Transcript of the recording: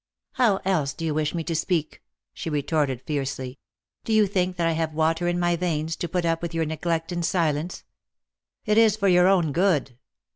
"How else do you wish me to speak?" she retorted fiercely. "Do you think that I have water in my veins, to put up with your neglect in silence?" "It is for your own good."